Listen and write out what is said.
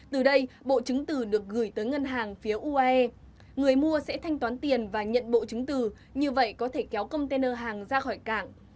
từ đây bộ chứng từ được gửi tới ngân hàng phía uae người mua sẽ thanh toán tiền và nhận bộ chứng từ như vậy có thể kéo container hàng ra khỏi cảng